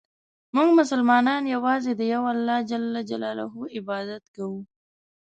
مونږ مسلمانان یوازې د یو الله ج عبادت کوو.